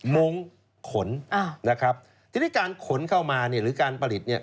มงขนนะครับที่นี่การขนเข้ามาหรือการผลิต